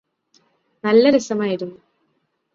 നല്ല രസമായിരുന്നു